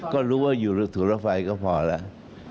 ก็รู้ว่าอยู่สุรภัยก็พอแล้ว